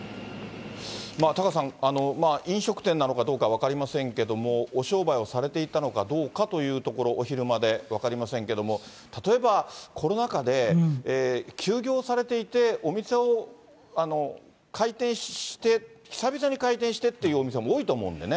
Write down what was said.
タカさん、飲食店なのかどうか分かりませんけども、お商売をされていたのかどうかというところ、お昼まで、分かりませんけれども、例えば、コロナ禍で、休業されていて、お店を開店して、久々に開店してっていうお店も多いと思うんでね。